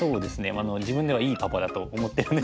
自分ではいいパパだと思ってるんですけども。